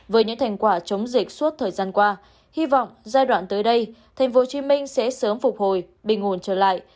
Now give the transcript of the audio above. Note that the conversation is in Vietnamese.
với những thành quả chống dịch suốt thời gian qua hy vọng giai đoạn tới đây tp hcm sẽ sớm phục hồi bình ổn trở lại